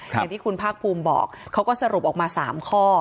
อย่างที่คุณภาคภูมิบอกเขาก็สรุปออกมา๓ข้อ